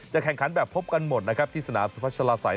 จะแข่งขันแบบพบกันหมดที่สนานสุพัชฌาไส้